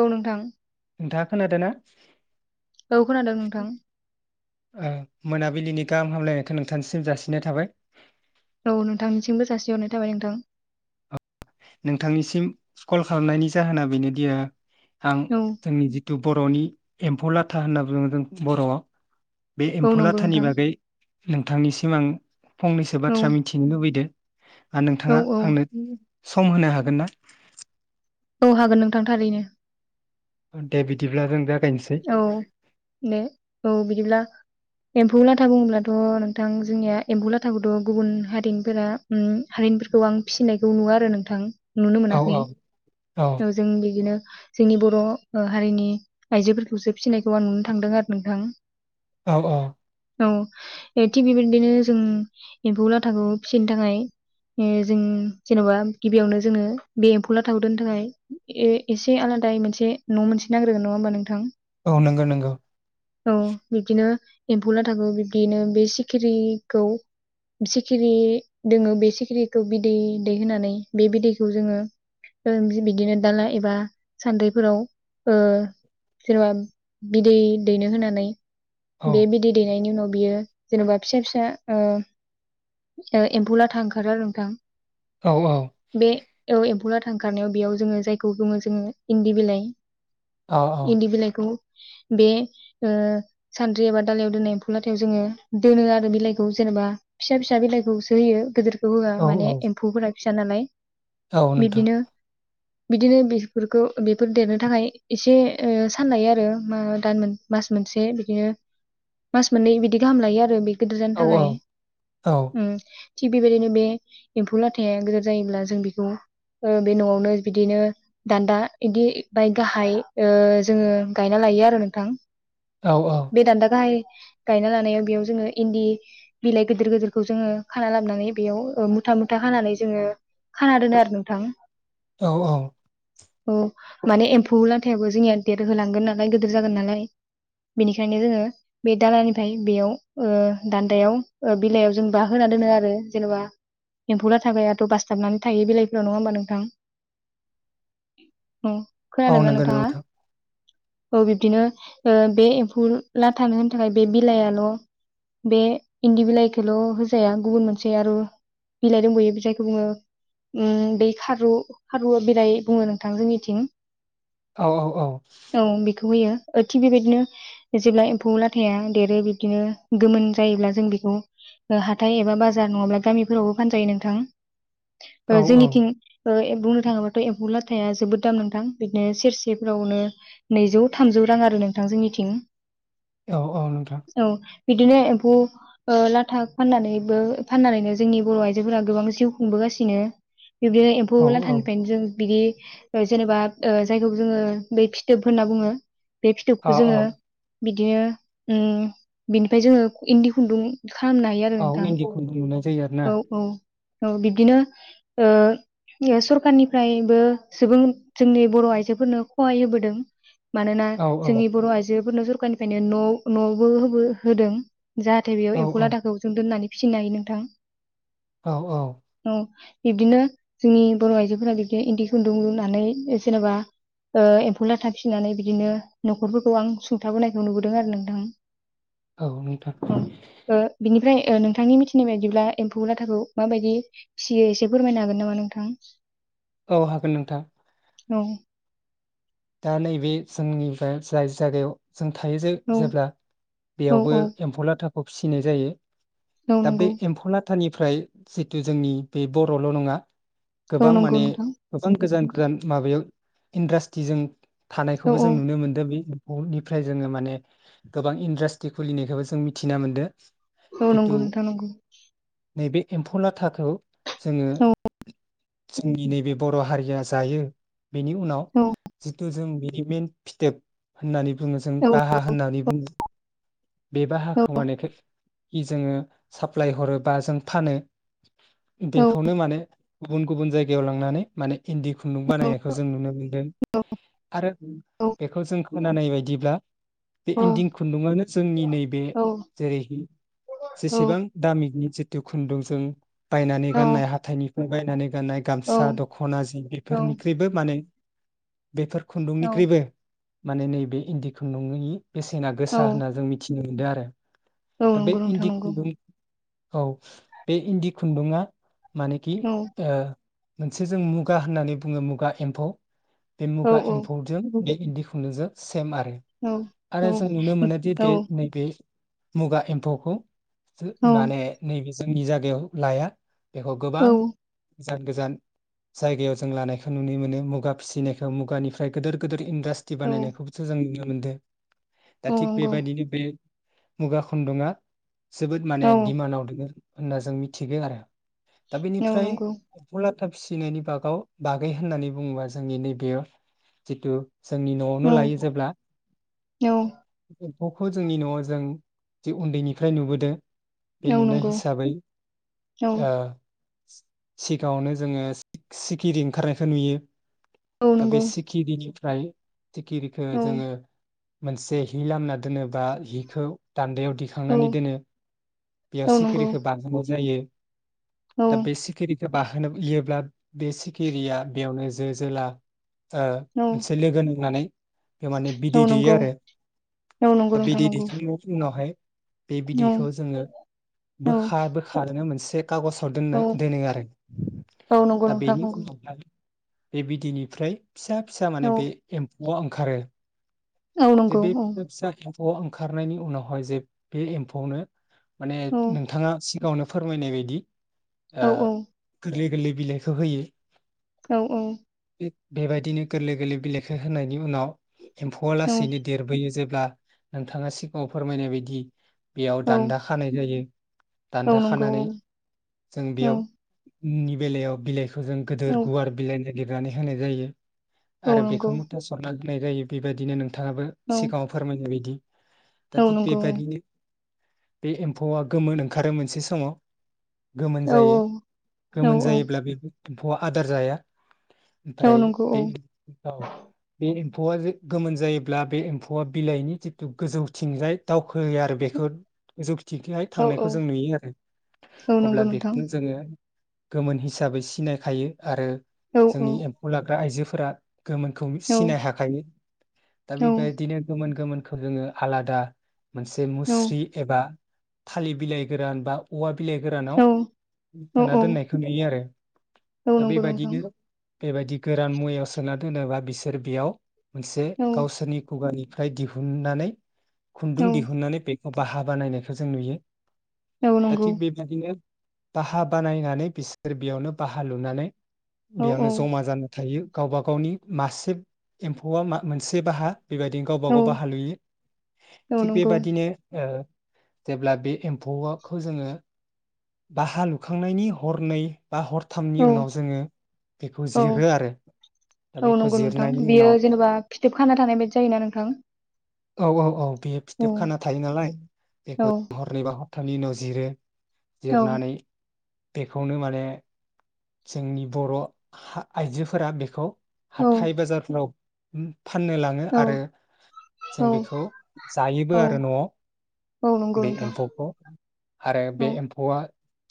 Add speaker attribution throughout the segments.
Speaker 1: औ नोंथां।
Speaker 2: नोंथाङा खोनादो ना?
Speaker 1: औ खोनादो नोंथां ।
Speaker 2: ओ मोनाबिलिनि गाहाम हामलायनायखो नोंथांनिसिम जासिनाय थाबाय ।
Speaker 1: औ नोंथांनिसिमबो जासिहरनाय थाबाय नोंथां ।
Speaker 2: नोंथांनिसिम कल खालामनायनि जाहोना बेनोदि ओ आं
Speaker 1: औ
Speaker 2: जोंनि जितु बर'नि एम्फौ लाथा होनना बुङो जों बर'आव बे
Speaker 1: औ
Speaker 2: एम्फु
Speaker 1: नंगौ
Speaker 2: लाथानि
Speaker 1: नोंथां
Speaker 2: बागै नोंथांनिसिम आं फंनैसो
Speaker 1: औ
Speaker 2: बाथ्रा मिथिनो लुबैदो आ
Speaker 1: औ
Speaker 2: नोंथाङा
Speaker 1: औ
Speaker 2: आंनो सम होनो हागोन ना?
Speaker 1: औ हागोन नोंथां थारैनो।
Speaker 2: दे बिदिब्ला रों दा
Speaker 1: औ दे औ बिदिब्ला एम्फौ लाथा बुङोब्लाथ' नोंथां जोंनिया एम्बु लाथाखौथ' गुबुन हारिनिफोरा उम हारिनिफोरखौ आं फिसिनायखौ नुवा आरो नोंथां । नुनो
Speaker 2: औ
Speaker 1: मोनाखै
Speaker 2: औ औ
Speaker 1: । औजों बिदिनो जोंनि बर' ओ हारिनि आइजोफोरखौसो फिसिनायखौ आं नुनो थांदों आरो नोंथां ।
Speaker 2: औ अ ।
Speaker 1: औ थिग बेबिद्बिनो जों एम्फौ लाथाखौ फिसिनो थाखाय ओ जों जेन'बा गिबियावनो जोङो बे एम्फौ लाथाखौ दोननो थाखाय ए एसे आलादायै मोनसे न' मोनसे नांग्रोगोन नङा ओमबा नोंथां?
Speaker 2: औ नोंगो नोंगौ ।
Speaker 1: औ बिब्दिनो एम्फौ लाथाखौ बिब्दिनो बे सिखिरिखौ सिखिरि दोङो बे सिखिरिखौ बिदै दै होनानै बे बिदैखौ जोङो ओ बिदिनो दाला एबा सान्द्रिफोराव ओ सोरबा बिदै दैनो होनानै
Speaker 2: औ
Speaker 1: बे बिदै दैनायनि उनाव बियो जेन'बा फिसा फिसा ओ ओ एम्फौलाथा ओंखारो आरो नोंथां ।
Speaker 2: औ
Speaker 1: बे एवएम्फौलाथा ओंखारनायाव बेयाव जोङो जायखौ गोमो जोङो इन्दि बिलाइ
Speaker 2: औ
Speaker 1: इन्दि बिलाइखौ बे ओ सान्द्रि एबा दालायाव दोननाय एम्फौ लाथायाव जोङो दोनो आरो बिलाइखौ जेनेबा फिसा फिसा बिलाइखौसो होयो गोदोर होआ
Speaker 2: औ
Speaker 1: माने एम्फौफोरा फिसानालाय ।
Speaker 2: औ नोंथां ।
Speaker 1: बिदिनो बेफोरखौ बेफोर देरनो थाखाय एसे ओ सान लायो आरो मा दान मोन मास मोनसे बिदिनो मास मोननै बिदि गाहाम लायो आरो बि गिदिर जानो
Speaker 2: औ
Speaker 1: थाखाय
Speaker 2: औ
Speaker 1: उम। थिग बेबायदिनो बे एम्फौ लाथाया गोदोर जायोब्ला जों बेखौ ओ बे न'आवनो बिदिनो दान्दा इदि बाय गाहाय ओ जोंङो गायना लायो आरो नोंथां।
Speaker 2: औ औ
Speaker 1: बेे दान्दा गाहाय गायना लानायाव बेयाव जोंङो इन्दि बिलाइ गिदिर गिदिरखौ जोंङो खाना लाबानै बेयाव ओ मुथा मुथा खानानै जोंङो खाना दोनो आरो नोंथां।
Speaker 2: औ औ।
Speaker 1: औ माने एम्फौ लाथायाबो जोंनिया देरहोलांगोन नालाय गिदिर जागोन नालाय बेनिखायनो जोंङो बे दालानिफ्राय बेयाव ओ दान्दायाव ओ बिलाइयाव जों बा होना दोनो आरो जेनबा एम्फौ लाथायाथ बासथाबनानै थायो बिलाइफोराव नङा होमबा नोंथां। [inaudible] उम
Speaker 2: औ
Speaker 1: खोनादोंना
Speaker 2: नंगौ नंगौ
Speaker 1: नोंथाङा?
Speaker 2: नोंथां
Speaker 1: औ बिब्दिनो ओ बे एम्फौ लाथानो होनो थाखाय बे बिलाइआल बे इन्दि बिलाइखौल होजाया गुबुन मोनसे आरो बिलाइ दंबोयो जायखौ बुङो उम बे खारौ। खारुवा बिलाइ बुङो नोंथां जोंनिथिं।
Speaker 2: औ औ औ।
Speaker 1: औ बेखौ होयो थिग बेबायदिनो जेब्ला एम्फौ लाथाया देरो बिबदिनो गोमोन जायोब्ला जों बेखौ हाथाय एबा बाजार नङाब्ला गामिफोरावबो फानजायो
Speaker 2: औ
Speaker 1: नोंथां।
Speaker 2: औ
Speaker 1: जोंनिथिं ओ ए बुंनो थाङोब्लाथ एम्फौ लाथाया जोबोद दाम नोंथां बिदिनो सेरसेफ्रावनो नैजौ थामजौ रां आरो नोंथां जोंनिथिं।
Speaker 2: औ औ नोंथां।
Speaker 1: औ बिदिनो एम्फौ ओ लाथा फाननानैबो फाननानैनो जोंनि बर' आइजोफोरा गोबां जिउ खुंबोगासिनो। बिदिनो
Speaker 2: औ औ
Speaker 1: एम्फौलाथानि बिदि जेनेबा ओ जायखौ जोंङो बै फिथोब होनना बुङो। बे
Speaker 2: औ
Speaker 1: फिथोबखौ
Speaker 2: औ
Speaker 1: जोंङो बिदिनो उम बिनिफ्राय जोंङो इन्दि खुन्दुं खालामनो हायो आरो
Speaker 2: औ
Speaker 1: नोंथां
Speaker 2: इन्दि खुन्दुं लुनाय जायो आरोना
Speaker 1: औ औ। औ बिब्दिनो ओ [unintelligible] सरखारनिफ्रायबो सुबुं जोंनि बर' आइजोफोरनो खहाय होबोदों। मानोना
Speaker 2: औ औ
Speaker 1: जोंनि बर' आइजोफोर नजोर दखाननिफ्रायनो न' न'आवबोहोबो होदों। जाहाथे
Speaker 2: औ
Speaker 1: बेयाव एम्फौलाथाखौ जों दोननानै फिसिनो हायो नोंथां।
Speaker 2: औ औ।
Speaker 1: बिबदिनो जोंनि बर' आइजो फोरा बिदिनो इन्दि खुन्दुं लुनानै जेनेबा ओ एम्फौ लाथा फिसिनानै बिदिनो न'खरफोरखौ आं सुंथाबोनायखौ नुबोदों आरो नोंथां।
Speaker 2: औ नोंथां।
Speaker 1: ओमफ्राय नोंथांनि मिथिनाय बायदिब्ला एम्फौ लाथाखौ माबायदि फिसियो एसे फोरमायनो हागोन नामा नोंथां?
Speaker 2: औ हागोन नोंथां।
Speaker 1: औ।
Speaker 2: दा नै बेे जोंनिफ्राय जाय जागायाव जों थायो
Speaker 1: औ
Speaker 2: जेब्ला
Speaker 1: औ
Speaker 2: बेयावबो
Speaker 1: औ
Speaker 2: एम्फौलाथा खौ फिसिनाय जायो
Speaker 1: औ
Speaker 2: दा बे
Speaker 1: नंगौ
Speaker 2: एम्फौला थानिफ्राय जितु जोंनि बे बरल नङा
Speaker 1: औ
Speaker 2: गोबां
Speaker 1: नंगौ
Speaker 2: माने
Speaker 1: नोंथां
Speaker 2: गोबां गोजान गोजान माबायाव इन्ड्रास थिजों
Speaker 1: औ
Speaker 2: थानायखौबो
Speaker 1: औ
Speaker 2: जों नुनो मोनदों बे निफ्राय जोङो माने गोबां इन्डास्ट्रि खुलिनायखौबो जों मिथिना मोनदों
Speaker 1: औ
Speaker 2: जिथु
Speaker 1: नंगौ नोंथां नंगौ।
Speaker 2: नैबे एम्फौ लाथाखौ जोङो
Speaker 1: औ
Speaker 2: जोंनि नैबे बर' हारिया जायो बेनि
Speaker 1: औ
Speaker 2: जिथु जों बि मिन फिथोब होननानै बुङो जों
Speaker 1: औ
Speaker 2: बाहा होननानै बुङो बे
Speaker 1: औ
Speaker 2: बाहाखौ माने [inaudible] जोङो साप्लाय हरोबा जों फानो
Speaker 1: औ
Speaker 2: बेेखौनो माने गुबुन गुबुन जायगायाव लांनानै माने इन्दि खुन्दुं बानायनायखौ जों नुनो मोनदों आरो बेखौ जों खोनानाय बायदिब्ला बे इन्दि खुन्दुङानो जोंनि नैबे
Speaker 1: औ
Speaker 2: जेरै [inaudible] जेसेबां दामिखनि जो बे खुन्दुंजों बायनानै गाननाय हाथाइनिखौ बायनानै गाननाय गामसा दख'ना जि
Speaker 1: औ
Speaker 2: बेफोरनिख्रुइबो माने बेफोर खुन्दुंनिख्रुइबो माने नैबे इन्दि खुंन्दुंनि बेसेना
Speaker 1: औ
Speaker 2: गोसा होनना मिथिनो मोनदों आरो
Speaker 1: औ
Speaker 2: दा बे
Speaker 1: नंगौ नोंथां
Speaker 2: इन्दि
Speaker 1: नंगौ
Speaker 2: खुन्दुं औ बे इन्दि खुन्दुंआ मानिखि
Speaker 1: औ
Speaker 2: ओ मोनसे जों मुगा होननानै बुङो मुगा एम्फौ। बे
Speaker 1: औ
Speaker 2: मुगा एम्फौजों इन्दि खुन्दुंजों सेम आरो
Speaker 1: औ
Speaker 2: आरो जों नुनो मोनोदि
Speaker 1: औ
Speaker 2: बे नैबे मुगा एम्फौखौ माने नैबे जोंनि जागायाव लाया बेखौ गोबां
Speaker 1: औ
Speaker 2: गोजान गोजान जायगायाव जों लानायखौ नुनो मोनो मुगा फिसिनायखौ मुगानिफ्राय गोदोर गोदोर इन्डास्ट्री
Speaker 1: औ
Speaker 2: बानायनायखौबोसो जों नुनो मोनो। मोनदो दा
Speaker 1: औ
Speaker 2: थिग
Speaker 1: नंगौ
Speaker 2: बेबायदिनो बे मुगा खुन्दुङा जोबोद माने
Speaker 1: औ
Speaker 2: दिमान्डआव दोङो। होनना जों मिथिगो आरो। दा बेनिफ्राय
Speaker 1: नंगौ
Speaker 2: मुला - थाब फिसिनायनि बागाव बागै होननानै बुङोबा जोंनि नैबेयो जिथु जोंनि नआवनो
Speaker 1: औ
Speaker 2: लायो जेब्ला
Speaker 1: औ
Speaker 2: एम्फौखौ जोंनि नआव जों जे उन्दैनिफ्राय नुबोदों। बे
Speaker 1: औ
Speaker 2: लुनाय
Speaker 1: नंगौ
Speaker 2: हिसाबै
Speaker 1: औ
Speaker 2: [inaudible] ओ सिगाङावनो जोङो सि-सिखिरि ओंखारनायखौ नुयो।
Speaker 1: औ
Speaker 2: दा बे
Speaker 1: नंगौ
Speaker 2: सिखिरिनि फ्राय सिखिरिखो
Speaker 1: औ
Speaker 2: जोङो मोनसे हि लामना दोनोब बा हिखौ दान्दायाव
Speaker 1: औ
Speaker 2: दिखांनानै दोनो बेयाव
Speaker 1: औ नंगौ
Speaker 2: सिखिरिखौ बानहोनाय जायो। [unintelligible]
Speaker 1: औ
Speaker 2: दा बे सेखिरि बाहोनो इयोब्ला बे सिखिरिया बेयावनो जो जोला ओ
Speaker 1: औ
Speaker 2: मोनसे लोगो नोंनानै बे माने बिदै
Speaker 1: औ
Speaker 2: दैयो
Speaker 1: नंगौ
Speaker 2: आरो
Speaker 1: औ नंगौ नोंथां नंगौ
Speaker 2: नावहाय बे
Speaker 1: औ
Speaker 2: बिदैखौ जोङो
Speaker 1: औ
Speaker 2: बोखा बोखानो मोनसे खागजाव दोननो
Speaker 1: औ
Speaker 2: दोनो आरो
Speaker 1: औ नंगौ
Speaker 2: दा
Speaker 1: नोंथां
Speaker 2: बेनि
Speaker 1: नंगौ
Speaker 2: उनावहाय बे बिदैनिफ्राय फिसा फिसा माने
Speaker 1: औ
Speaker 2: बे एम नआव ओंखारो
Speaker 1: औ नंगौ औ
Speaker 2: [unintelligible] ख' ओंखारनायनि उनावहाय जे बे एम्फौनो माने
Speaker 1: औ
Speaker 2: नोंथाङा सिगाङावनो फोरमायनाय बायदि
Speaker 1: औ
Speaker 2: ओ गोरलै गोरलै बिलाइखौ होयो
Speaker 1: औ औ
Speaker 2: बेबायदिनो गोरलै गोरलै बिलाेखौ होनायनि उनाव एम्फौआ
Speaker 1: औ
Speaker 2: लासैनो देरबोयो जेब्ला नोंथाङा सिगाङाव फोरमायनाय बायदि बेयाव
Speaker 1: औ
Speaker 2: दान्दा खानाय जायो।
Speaker 1: औ
Speaker 2: दान्दा
Speaker 1: नंगौ
Speaker 2: खानानै जों
Speaker 1: औ
Speaker 2: बेयाव नि बेलायाव बेलेग जों गोदो गुवार बिलाइनाय गिरनानै होनाय जायो।
Speaker 1: औ
Speaker 2: आरो
Speaker 1: नंगौ
Speaker 2: बेखौ मुथा सरनानै होनाय जायो बेबायदिनो नोंथाङाबो
Speaker 1: औ
Speaker 2: सिगाङाव फोरमायनाय बायदि दा
Speaker 1: औ
Speaker 2: थिग
Speaker 1: नंगौ औ
Speaker 2: बेबादिनो बे एम्फौआ गोमोन ओंखारो मोनसे समाव गोमोन
Speaker 1: औ
Speaker 2: जायो
Speaker 1: औ
Speaker 2: गोमोन जायोब्ला बेबो एम्फौआ आदार जाया
Speaker 1: औ
Speaker 2: ओमफ्राय
Speaker 1: नंगौ
Speaker 2: बे
Speaker 1: औ
Speaker 2: औ बे एम्फौआ गोमोन जायोब्ला बे एम्फौ [unintelligible] बिलाइनि जिथु गोजौथिंजाय दावखोयो आरो बेखौ गोजौ थिगैहाय
Speaker 1: औ
Speaker 2: थांनायखौ जों नुयो आरो
Speaker 1: औ नंगौ
Speaker 2: अब्ला
Speaker 1: नोंथां
Speaker 2: बेखौनो जोङो गोमोन हिसाबै सिनायखायो आरो।
Speaker 1: औ औ औ
Speaker 2: जोंनि एम्फौ लाग्रा आइजो फोरा गोमोनखौ
Speaker 1: औ
Speaker 2: सिनाय हाखायो दा
Speaker 1: औ
Speaker 2: बेबायदिनो गोमोन गोमोनखौ जोङो आलादा मोनसे मुस्रि एबा थालिर बिलाइ गोरान बा औवा बिलाइ गोरानाव
Speaker 1: औ
Speaker 2: जाना दोननायखौ नुयो आरो।
Speaker 1: औ
Speaker 2: दा
Speaker 1: नंगौ नोंथां।
Speaker 2: बेबायदिनो बेबायदि गोरान मुवायाव सोना दोनोबा बिसोर बेयाव मोनसे
Speaker 1: औ
Speaker 2: गावसोरनि खुगानि ओमफ्राय दिहुननानै खुन्दुं
Speaker 1: औ
Speaker 2: दिहुननानै बे अ बाहा बानायनायखौ जों नुयो
Speaker 1: औ
Speaker 2: दा
Speaker 1: नंगौ
Speaker 2: थिख बेबायदिनो बाहा बानायनानै बिसोर बेयावनो बाहा लुनानै
Speaker 1: औ औ
Speaker 2: बेयावनो जमा जाना थायो। गावबा गावनि मासे एम्फौआ मा मोनसे बाहा बेबायदि गावबा
Speaker 1: औ
Speaker 2: गावबा बाहा लुयो
Speaker 1: औ
Speaker 2: थिग
Speaker 1: नंगौ
Speaker 2: बेबादिनो जेब्ला बे एम्फौखौ जोङो बाहा लुखांनायनि हरनै बा हरथामनि
Speaker 1: औ
Speaker 2: उनाव जोङो बेखौ
Speaker 1: औ
Speaker 2: जिरो आरो दा
Speaker 1: औ
Speaker 2: बेखौ
Speaker 1: नंगौ नोंथां
Speaker 2: जिरनायनि
Speaker 1: बियो
Speaker 2: उनाव
Speaker 1: जेनेबा फिथोब खाना थानाय बायदि जायोना नोंथां
Speaker 2: औ औ औ। बे
Speaker 1: औ
Speaker 2: फिथोब खाना थायो नालाय
Speaker 1: औ
Speaker 2: बेखौ हरनै बा उनाव जिरो
Speaker 1: औ
Speaker 2: जिरनानै बेखौनो माने जोंनि बर' आइजोफोरा बेखौ
Speaker 1: औ
Speaker 2: हाथाइ बाजारफ्राव [unintelligible] फाननो लाङो आरो
Speaker 1: औ
Speaker 2: जों
Speaker 1: औ
Speaker 2: बेखौ जायोबो
Speaker 1: औ
Speaker 2: आरो न'आव
Speaker 1: औ नंगौ
Speaker 2: बे
Speaker 1: नोंथां
Speaker 2: एम्फौखौ आरो बे
Speaker 1: औ
Speaker 2: एम्फौआ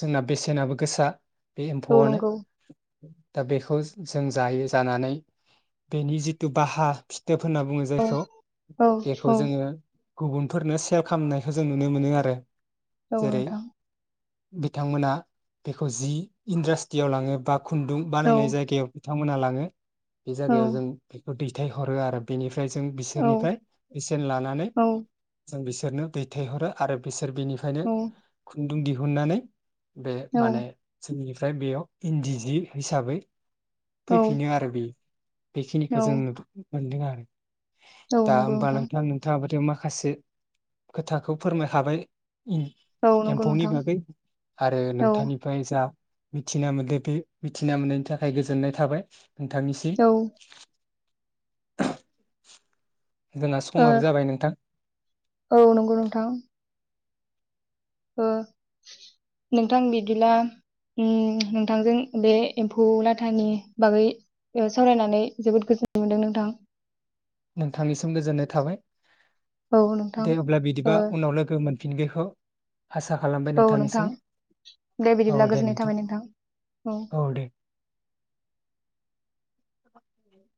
Speaker 2: जोंना बेसेनाबो गोसा
Speaker 1: औ
Speaker 2: फआनो
Speaker 1: नंगौ
Speaker 2: दा बेखौ ज-जों जायो जानानै बेनि जिथु बाहा फिथोब होनना बुङो
Speaker 1: औ
Speaker 2: जायखौ
Speaker 1: औ
Speaker 2: बेखौ
Speaker 1: औ
Speaker 2: जोङो गुबुनफोरनो सेल खालामनायखौ जों नुनो मोनो आरो
Speaker 1: औ
Speaker 2: जेरै
Speaker 1: नोंथां।
Speaker 2: बिथांमोना बेखौ जि इन्द्रासटियाव लाङो बा खुन्दुं
Speaker 1: औ
Speaker 2: बानायनाय जायगायाव । बिथांमोनहा लाङो। बे
Speaker 1: औ
Speaker 2: जागायाव जों बेखौ दै थाय हरो आरो बेनि फ्राय जों बिसोरनिफ्राय बेसेन लानानै
Speaker 1: औ
Speaker 2: बिसोरनो दैथायहरो आरो बिसो सोर बिनिफायनो दिहुननानै बे
Speaker 1: औ
Speaker 2: माने इनिफ्राय बेयाव इन्दि जि हिसाबै फैफिनो आरो बे बेखिनिखौ
Speaker 1: औ
Speaker 2: जों नुथ' मोनदों आरो
Speaker 1: औ
Speaker 2: दा
Speaker 1: नंगौ
Speaker 2: होमबा नोंथां नोंथांआबोथ' मा खासो खोथाखौ फोरमाय हाबाय
Speaker 1: औ
Speaker 2: ।
Speaker 1: नंगौ
Speaker 2: एम्फौनि
Speaker 1: नोंथां
Speaker 2: बागै आरो
Speaker 1: औ
Speaker 2: नोंथांनिफ्राय जा मिथिना मोनदो बे मिथिना मोननायनि थाखाय गोजोननाय थाबाय। नोंथांनिसिम । जोंहा
Speaker 1: ओ
Speaker 2: समाबो जाबाय नोंथां
Speaker 1: औ नंगौ नोंथां। ओ नोंथां बिदिब्ला उम नोंथांजों बे एम्फौ लाथानि बागै ओ सावरायनानै जोबोद गोजोननाय मोनदों नोंथां।
Speaker 2: नोंथांनिसिम गोजोननाय थाबाय।
Speaker 1: औ नोंथां
Speaker 2: दे अब्ला
Speaker 1: ओ
Speaker 2: बिदिबा उनाव लोगो मोन बिखौ
Speaker 1: औ नोंथां दे बिदिब्ला गोजोननाय थाबाय नोंथां औ
Speaker 2: [inaudible]